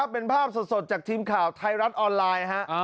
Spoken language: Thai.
เป็นภาพสดจากทีมข่าวไทยรัฐออนไลน์